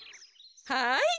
はい。